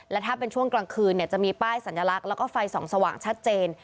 และถ้าเป็นช่วงกลางคืนจะมีป้ายสัญลักษณ์แล้วก็ไฟส่องสว่างชัดเจน